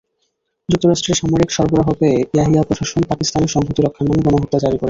যুক্তরাষ্ট্রের সামরিক সরবরাহ পেয়ে ইয়াহিয়া প্রশাসন পাকিস্তানের সংহতি রক্ষার নামে গণহত্যা জারি রাখে।